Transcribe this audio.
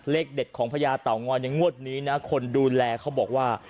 เลขเด็ดของพระยาเตางอยอย่างงวดนี้คนดูแลเขาบอกว่า